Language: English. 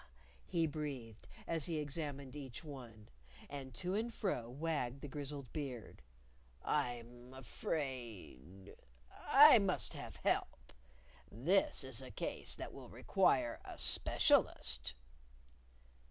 he breathed as he examined each one; and to and fro wagged the grizzled beard. "I'm afraid ! I must have help. This is a case that will require a specialist."